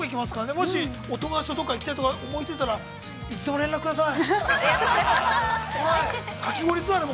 もしどこか行きたいところ思いついたらいつでも連絡ください。